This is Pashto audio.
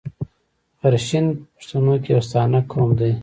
غرشین په پښتنو کښي يو ستانه قوم دﺉ.